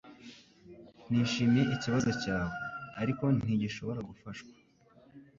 Nishimiye ikibazo cyawe, ariko ntigishobora gufashwa.